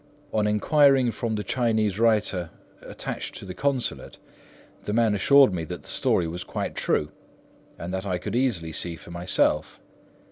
On enquiring from the Chinese writer attached to the Consulate, the man assured me that the story was quite true and that I could easily see for myself.